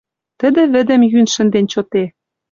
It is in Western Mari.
Тӹдӹ вӹдӹм йӱн шӹнден чоте.